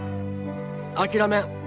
諦めん。